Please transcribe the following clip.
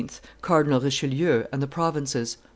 CARDINAL RICHELIEU, AND THE PROVINCES.